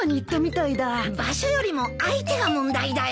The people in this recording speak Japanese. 場所よりも相手が問題だよ。